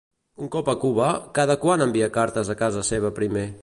Un cop a Cuba, cada quant envia cartes a casa seva primer?